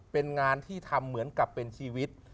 เป็นงานที่ทำเหมือนกับเป็นชีวิต